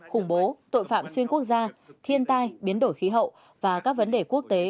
khủng bố tội phạm xuyên quốc gia thiên tai biến đổi khí hậu và các vấn đề quốc tế